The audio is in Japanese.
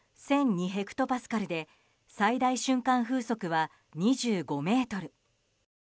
ヘクトパスカルで最大瞬間風速は２５メートル。